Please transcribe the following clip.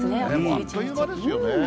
あっという間ですよね。